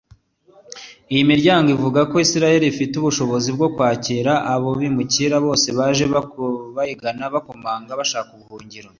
Iyi miryango ivuga ko Israel ifite ubushobozi bwo kwakira abo bimukira bose ‘baje bayigana bakomanga bashaka ubuhungiro